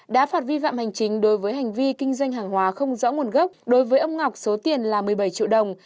đã phạt vi phạm hành chính đối với hành vi kinh doanh hàng hóa không rõ nguồn gốc đối với ông ngọc số tiền là một mươi bảy triệu đồng